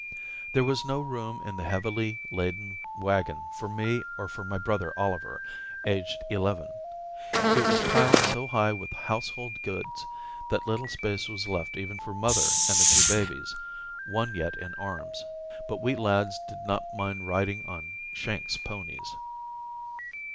There was no room in the heavily laden wagon for me or for my brother Oliver, aged eleven. It was piled so high with household goods that little space was left even for mother and the two babies, one yet in arms. But we lads did not mind riding on "Shank's ponies."